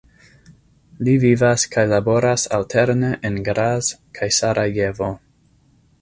Li vivas kaj laboras alterne en Graz kaj Sarajevo.